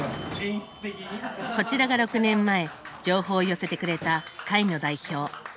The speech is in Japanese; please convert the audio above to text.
こちらが６年前情報を寄せてくれた会の代表松村さん。